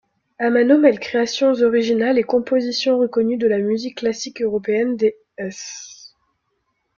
Amano mêle créations originales et compositions reconnues de la musique classique européenne des s.